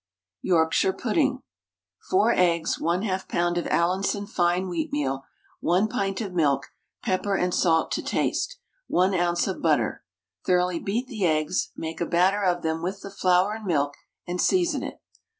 YORKSHIRE PUDDING. 4 eggs, 1/2 lb. of Allinson fine wheatmeal, 1 pint of milk, pepper and salt to taste, 1 oz. of butter. Thoroughly beat the eggs, make a batter of them with the flour and milk, and season it.